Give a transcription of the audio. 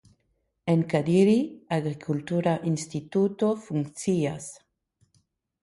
En Kadiri agrikultura instituto funkcias.